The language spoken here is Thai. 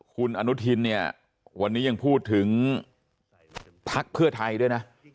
คุณอนุทินยังพูดถึงพักเพื่อไทยด้วยนะ